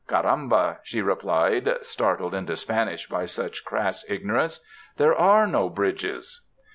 ''Caramba!" she replied, startled into Spanish by such crass ignorance, "there are no bridges!"